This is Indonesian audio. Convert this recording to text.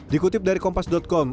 dikutip dari kompas com